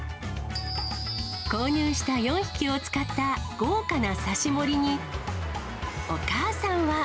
購入した４匹を使った豪華な刺し盛りにお母さんは。